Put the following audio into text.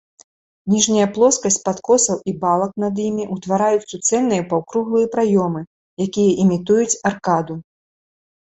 Ніжняя плоскасць падкосаў і балак над імі ўтвараюць суцэльныя паўкруглыя праёмы, якія імітуюць аркаду.